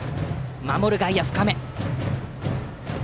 守る外野は深め。